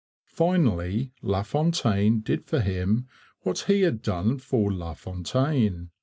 Finally LaFontaine did for him what he had done for LaFontaine.